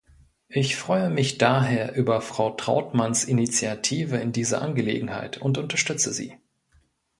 Ich freue mich daher über Frau Trautmanns Initiative in dieser Angelegenheit und unterstütze sie.